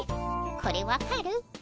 これ分かる？